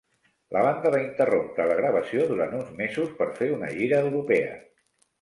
La banda va interrompre la gravació durant uns mesos per fer una gira europea.